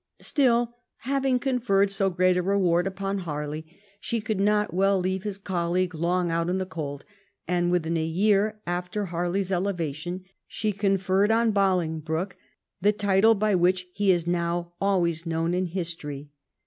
Still, having conferred so great a reward upon Harley, she could not well leave his colleague long out in the cold, and within a year after Harley's elevation she conferred on Bolingbroke the title by which he is now always known in history.